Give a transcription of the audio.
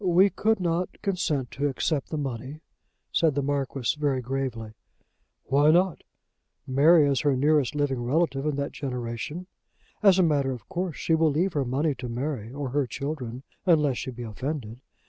"We could not consent to accept the money," said the Marquis very gravely. "Why not? Mary is her nearest living relative in that generation. As a matter of course, she will leave her money to Mary or her children, unless she be offended.